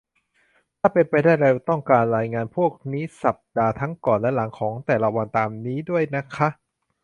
ถ้าเป็นไปได้ เราต้องการรายงานพวกนี้สัปดาห์ทั้งก่อนและหลังของแต่ละวันตามนี้ด้วยนะคะ